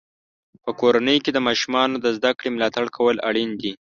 په کورنۍ کې د ماشومانو د زده کړې ملاتړ کول اړین دی.